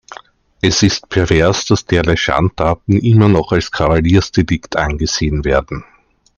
Es ist pervers, dass derlei Schandtaten immer noch als Kavaliersdelikt angesehen werden.